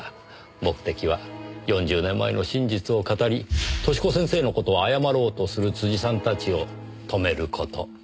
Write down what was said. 目的は４０年前の真実を語り寿子先生の事を謝ろうとする辻さんたちを止める事。